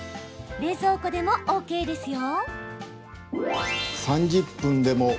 冷蔵庫でもＯＫですよ。